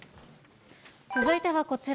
続いてはこちら。